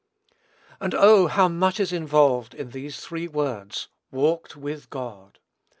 And oh, how much is involved in these three words, "walked with God!"